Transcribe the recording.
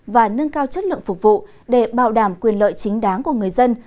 và nâng cao chất lượng phục vụ để bảo đảm quyền lợi chính đáng của người dân